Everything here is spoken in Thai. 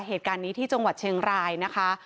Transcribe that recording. เหตุการณ์นี้ที่จังหวัดเชียงรายนะคะ